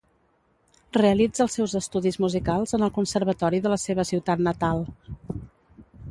Realitza els seus estudis musicals en el Conservatori de la seva ciutat natal.